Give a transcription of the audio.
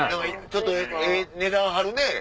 ちょっとええ値段張るねぇ。